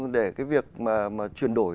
để cái việc mà chuyển đổi